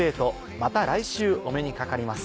また来週お目にかかります。